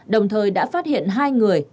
đồng thời đã phát hiện hai người